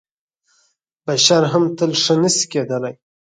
بشر هم تل ښه نه شي کېدلی .